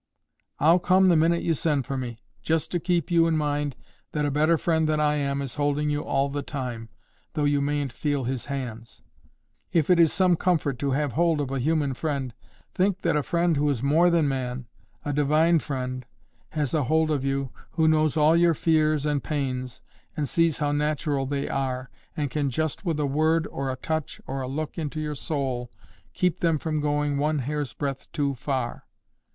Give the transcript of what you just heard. "I'll come the minute you send for me—just to keep you in mind that a better friend than I am is holding you all the time, though you mayn't feel His hands. If it is some comfort to have hold of a human friend, think that a friend who is more than man, a divine friend, has a hold of you, who knows all your fears and pains, and sees how natural they are, and can just with a word, or a touch, or a look into your soul, keep them from going one hair's breadth too far.